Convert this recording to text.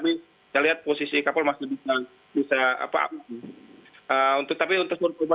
kita lihat posisi kapal masih bisa bisa apa untuk tapi untuk dua puluh empat abk itu fokusi selamat